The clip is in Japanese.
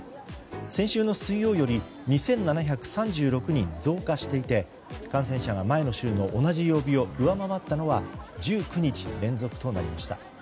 先週の水曜より２７３６人増加していて感染者が前の週の同じ曜日を上回ったのは１９日連続となりました。